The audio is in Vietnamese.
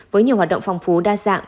với nhiều hoạt động phong phú đa dạng